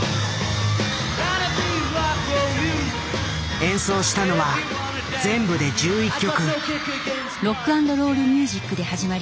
演奏したのは全部で１１曲。